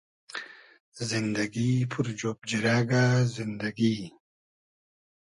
زیندئگی پور جۉب جیرئگۂ زیندئگی